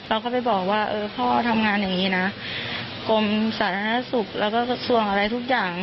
เราก็ไปบอกว่าเออพ่อทำงานอย่างนี้นะกรมสาธารณสุขแล้วก็กระทรวงอะไรทุกอย่าง